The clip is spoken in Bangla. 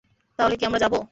তাহলে কী আমরা যাবো?